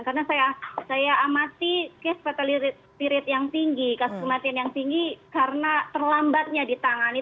karena saya amati kasus kematian yang tinggi karena terlambatnya ditangani